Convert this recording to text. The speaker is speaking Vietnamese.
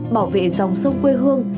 bảo vệ dòng sông quê hương